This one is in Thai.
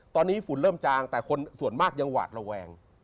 ตอนนี้ฝุ่นเริ่มจางแต่คนส่วนมากยังหวาดระแวง